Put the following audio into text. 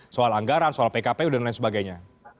soal anggaran soal pkpu dan lain sebagainya